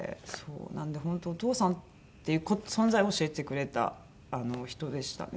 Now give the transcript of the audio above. なので本当お父さんっていう存在を教えてくれた人でしたね。